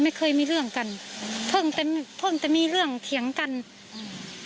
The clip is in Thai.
ไม่เคยมีเรื่องกันอืมเพิ่งแต่มีเรื่องเขียงกันอืม